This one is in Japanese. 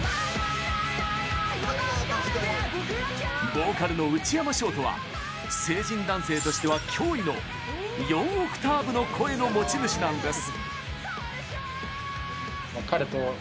ボーカルの内山ショートは成人男性としては驚異の４オクターブの声の持ち主なんです。